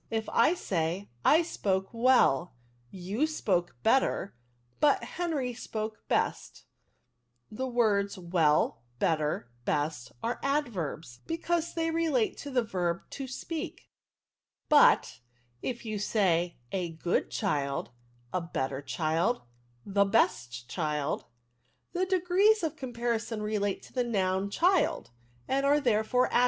If I say, * I spoke weU, you spoke better, but Henry spoke best,' the words well, better, best, axe adverbs, because they relate to the verb to speak; but if you say, ' A good child, a better child, the best child,' the degrees of comparison relate to the noun child, and are, therefore, adjectives."